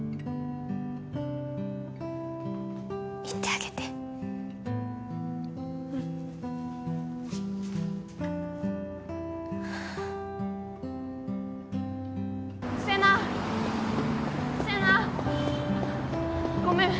行ってあげてうん世奈世奈ごめん